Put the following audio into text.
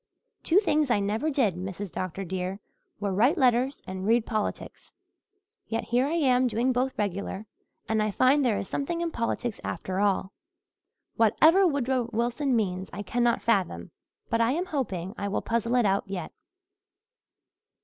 Two things I never did, Mrs. Dr. dear, were write letters and read politics. Yet here I am doing both regular and I find there is something in politics after all. Whatever Woodrow Wilson means I cannot fathom but I am hoping I will puzzle it out yet."